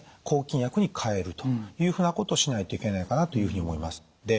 抗菌薬に替えるというふうなことをしないといけないかなというふうに思います。